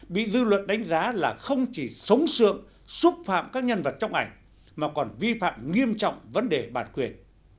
bị dư luận đánh giá là không chỉ sống sượng xúc phạm các nhân vật trong ảnh mà còn vi phạm nghiêm trọng vấn đề bản quyền